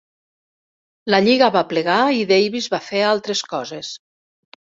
La lliga va plegar i Davis va fer altres coses.